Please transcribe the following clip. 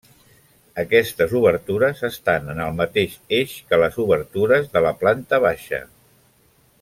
Aquestes obertures estan en el mateix eix que les obertures de la planta baixa.